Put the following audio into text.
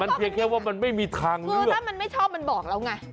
เพียงแค่ว่ามันไม่มีทางเลยคือถ้ามันไม่ชอบมันบอกแล้วไง